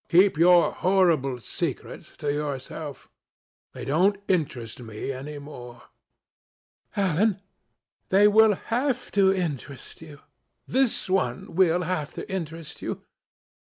Keep your horrible secrets to yourself. They don't interest me any more." "Alan, they will have to interest you. This one will have to interest you.